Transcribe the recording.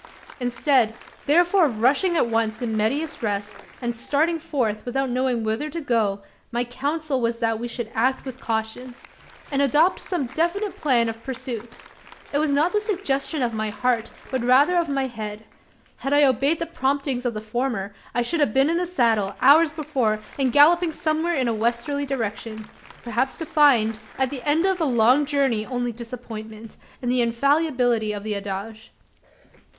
Instead, therefore of rushing at once in medias res, and starting forth, without knowing whither to go, my counsel was that we should act with caution; and adopt some definite plan of pursuit. It was not the suggestion of my heart, but rather of my head. Had I obeyed the promptings of the former, I should have been in the saddle, hours before, and galloping somewhere in a westerly direction perhaps to find, at the end of a long journey only disappointment, and the infallibility of the adage.